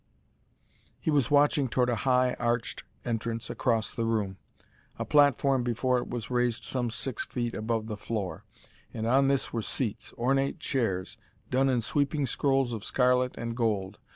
He was watching toward a high, arched entrance across the room. A platform before it was raised some six feet above the floor, and on this were seats ornate chairs, done in sweeping scrolls of scarlet and gold.